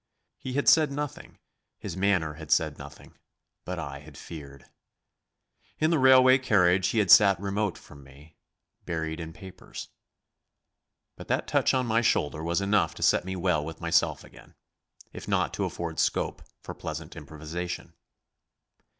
He had said nothing, his manner had said nothing, but I had feared. In the railway carriage he had sat remote from me, buried in papers. But that touch on my shoulder was enough to set me well with myself again, if not to afford scope for pleasant improvisation.